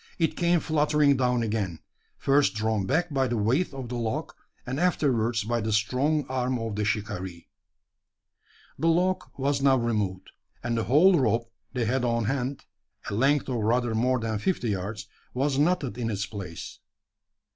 It came fluttering down again, first drawn back by the weight of the log, and afterwards by the strong arm of the shikaree. The log was now removed; and the whole rope they had on hand a length of rather more than fifty yards was knotted in its place.